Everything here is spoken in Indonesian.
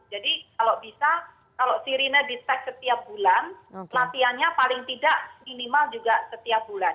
jadi kalau bisa kalau sirine disek setiap bulan latihannya paling tidak minimal juga setiap bulan